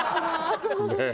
ねえ。